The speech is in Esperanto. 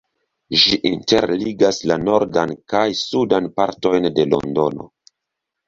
Ĝi interligas la nordan kaj sudan partojn de Londono.